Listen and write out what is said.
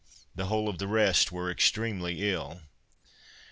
The whole of the rest were extremely ill.